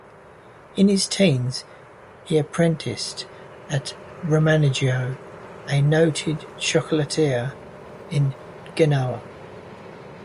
In his teens, he apprenticed at Romanengo, a noted chocolatier in Genoa.